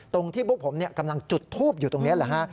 ตรงที่พวกผมกำลังจุดทูบอยู่ตรงนี้แหละฮะ